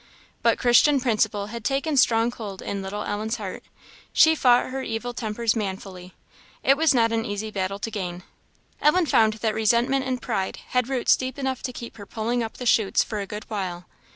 But Christian principle had taken strong hold in little Ellen's heart; she fought her evil tempers manfully. It was not an easy battle to gain. Ellen found that resentment and pride had roots deep enough to keep her pulling up the shoots for a good while.